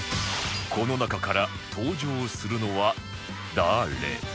この中から登場するのは誰？